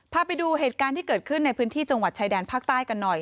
พาไปดูเหตุการณ์ที่เกิดขึ้นในพื้นที่จังหวัดชายแดนภาคใต้กันหน่อย